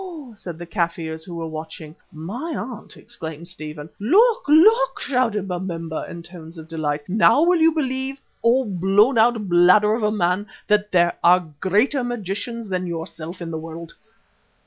_" said the Kaffirs who were watching. "My Aunt!" exclaimed Stephen. "Look, look!" shouted Babemba in tones of delight. "Now will you believe, O blown out bladder of a man, that there are greater magicians than yourself in the world?"